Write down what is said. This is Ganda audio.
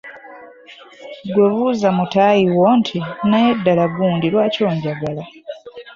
Ggwe buuza mutaayi wo nti, “ Naye ddala gundi lwaki onjagala ?